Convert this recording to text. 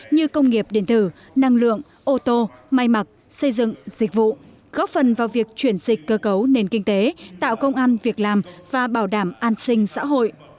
như công nghiệp điện thử năng lượng ô tô may mặc xây dựng dịch vụ góp phần vào việc chuyển dịch cơ cấu nền kinh tế tạo công an việc làm và bảo đảm an sinh xã hội